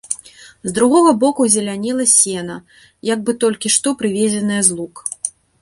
З другога боку зелянела сена, як бы толькі што прывезенае з лук.